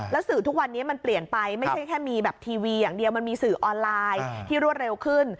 สื่อทุกวันนี้มันเปลี่ยนไปไม่ใช่แค่มีแบบทีวีอย่างเดียวมันมีสื่อออนไลน์ที่รวดเร็วขึ้น